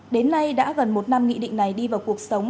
đến nay đã gần một năm nghị định này đi vào